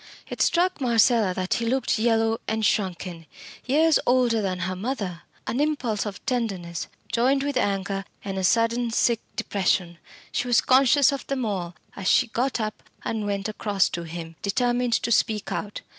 It struck Marcella that he looked yellow and shrunken years older than her mother. An impulse of tenderness, joined with anger and a sudden sick depression she was conscious of them all as she got up and went across to him, determined to speak out.